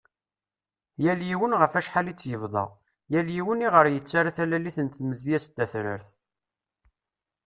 Yal yiwen ɣef acḥal i tt-yebḍa, yal yiwen i ɣer yettara talalit n tmedyazt tatrart .